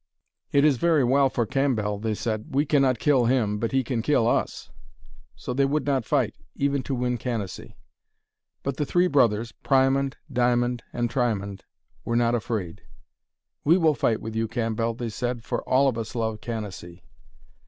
'It is very well for Cambell,' they said. 'We cannot kill him, but he can kill us.' So they would not fight, even to win Canacee. But the three brothers, Priamond, Diamond, and Triamond, were not afraid. 'We will fight with you, Cambell,' they said, 'for all of us love Canacee.'